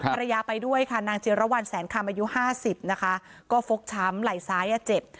ภรรยาไปด้วยนางเสียราวรแสนคามอายุ๕๐ก็ฟรกช้ำไหลวิกตกเจ็บ